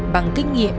bằng kinh nghiệm